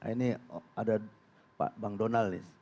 ini ada pak bang donald nih